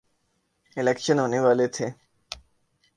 election ہونے والے تھے